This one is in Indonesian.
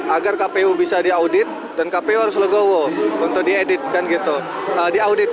agar kpu bisa diaudit dan kpu harus legowo untuk diaudit